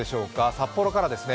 札幌からですね。